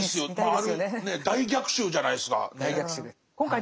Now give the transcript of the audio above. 大逆襲じゃないですか。